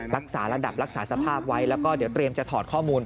รักษาระดับรักษาสภาพไว้แล้วก็เดี๋ยวเตรียมจะถอดข้อมูล